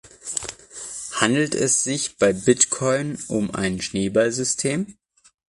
Handelt es sich bei Bitcoin um ein Schneeballsystem?